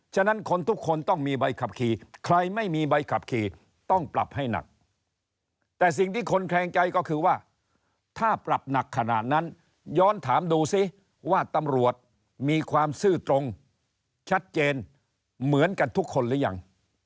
ฉะนั้นคนทุกคนต้องมีใบขับขี่ใครไม่มีใบขับขี่ต้องปรับให้หนักแต่สิ่งที่คนแคลงใจก็คือว่าถ้าปรับหนักขนาดนั้นย้อนถามดูซิว่าตำรวจมีความซื่อตรงชัดเจนเหมือนกันทุกคนหรือยัง